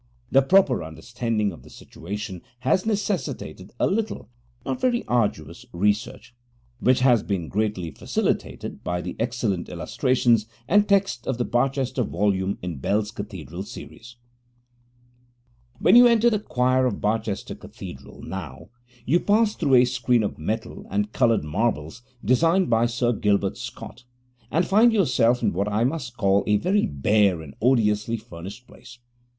The proper understanding of the situation has necessitated a little not very arduous research, which has been greatly facilitated by the excellent illustrations and text of the Barchester volume in Bell's Cathedral Series. When you enter the choir of Barchester Cathedral now, you pass through a screen of metal and coloured marbles, designed by Sir Gilbert Scott, and find yourself in what I must call a very bare and odiously furnished place.